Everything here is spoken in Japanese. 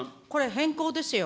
変更ですよ。